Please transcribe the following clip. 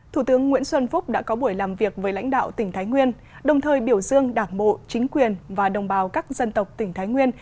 thủ tướng nguyễn xuân phúc đã có buổi làm việc với lãnh đạo tỉnh thái nguyên đồng thời biểu dương đảng bộ chính quyền và đồng bào các dân tộc tỉnh thái nguyên